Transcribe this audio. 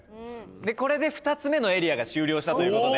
これで２つ目のエリアが終了したということで。